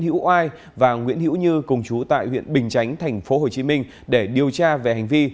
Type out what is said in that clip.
hữu ai và nguyễn hữu như cùng chú tại huyện bình chánh thành phố hồ chí minh để điều tra về hành vi